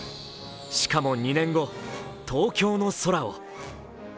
しかも２年後、東京の空を。